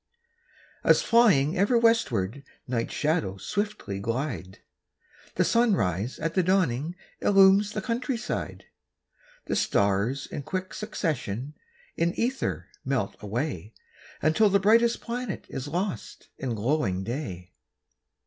As flying ever westward Night's shadows swiftly glide, The sunrise at the dawning illumes the countryside. The stars in quick succession in ether melt away, Until the brightest planet is lost in glowing day.